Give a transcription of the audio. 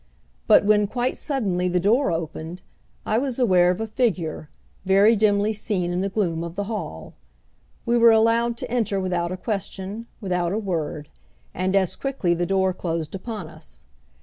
But when, quite suddenly, the door opened, I was aware of a figure, very dimly seen in the gloom of the hall. We were allowed to enter without a question, without a word; and as quickly the door closed upon us.